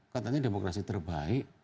katanya demokrasi terbaik